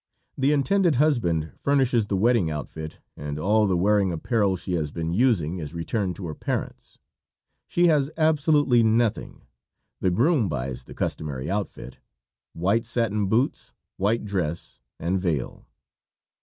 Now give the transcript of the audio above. The intended husband furnishes the wedding outfit, and all the wearing apparel she has been using is returned to her parents. She has absolutely nothing. The groom buys the customary outfit white satin boots, white dress and veil.